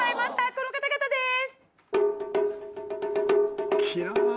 この方々です！